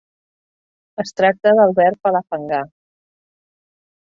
Es tracta del verb palafangar.